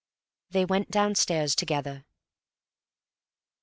They went downstairs together.